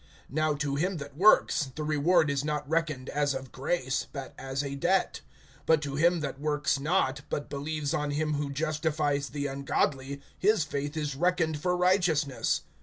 (4)Now to him that works, the reward is not reckoned as of grace, but as a debt. (5)But to him that works not, but believes on him who justifies the ungodly, his faith is reckoned for righteousness.